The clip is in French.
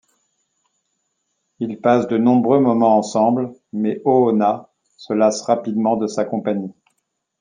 Ils passent de nombreux moments ensemble, mais Oona se lasse rapidement de sa compagnie.